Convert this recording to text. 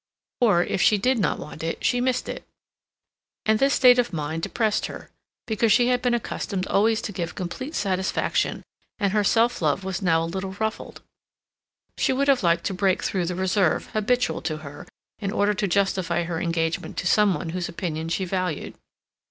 Or, if she did not want it, she missed it. And this state of mind depressed her, because she had been accustomed always to give complete satisfaction, and her self love was now a little ruffled. She would have liked to break through the reserve habitual to her in order to justify her engagement to some one whose opinion she valued.